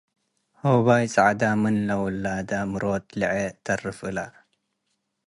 ወሆባይ-ጸዐደ ምን ለውላደ ምሮት ሌዐ ተርፈ እለ።